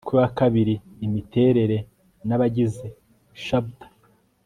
UMUTWE WA II IMITERERE N ABAGIZE CHAPTER